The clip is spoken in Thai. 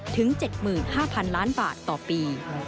ถึง๗๕๐๐๐ล้านบาทต่อปี